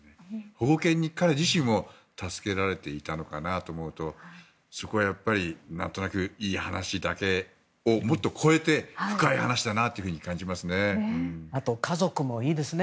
保護犬に自身も助けられていたのかなと思うとそこはやっぱり何となくいい話だけを超えてあと家族もいいですね。